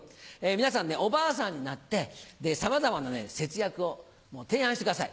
皆さんねおばあさんになってさまざまな節約を提案してください。